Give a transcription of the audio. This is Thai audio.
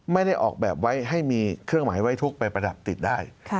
ไม่ได้ออกแบบไว้ให้มีเครื่องหมายไว้ทุกข์ไปประดับติดได้